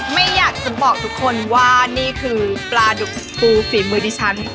ไม่อยากจะบอกทุกคนว่านี่เป็นปลาดุกปูฟีดเมอร์ดิชัน